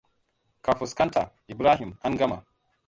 Ka fuskanta, Ibrahim, an gama.